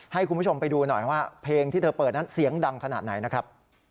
ให้คุณผู้ชมไปดูหน่อยว่าเพลงที่เธอเปิดนั้นเสียงดังขนาดไหนนะครับ